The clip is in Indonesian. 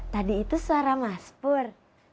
tadi itu suara mas pur